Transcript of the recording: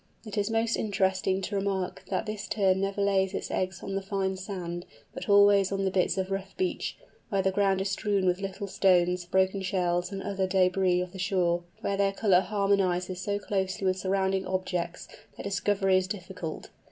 It is most interesting to remark that this Tern never lays its eggs on the fine sand, but always on the bits of rough beach—where the ground is strewn with little stones, broken shells, and other débris of the shore—where their colour harmonises so closely with surrounding objects that discovery is difficult.